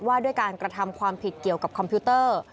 ว่าด้วยการกระทำความผิดเกี่ยวกับคอมพิวเตอร์